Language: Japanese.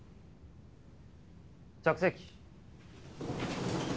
着席。